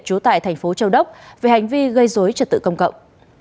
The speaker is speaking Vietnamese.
trú tại thành phố châu đốc về hành vi gây dối trật tự công cộng